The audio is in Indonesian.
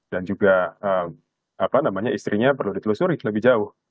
dan juga istrinya perlu ditelusuri lebih jauh